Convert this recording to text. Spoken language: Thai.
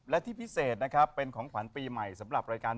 และที่พิเศษนะครับเป็นของขวัญปีใหม่สำหรับรายการ